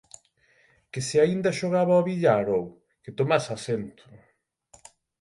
Que se aínda xogaba ao billar, ou? Que tomase asento.